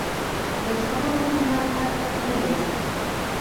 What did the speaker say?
د خبرو هنر هر څوک نه لري.